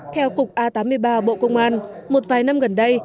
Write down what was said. theo cục a tám mươi ba bộ công an một vài năm gần đây